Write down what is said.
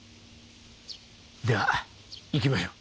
では行きましょう。